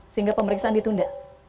sehingga pemeriksaan ditunda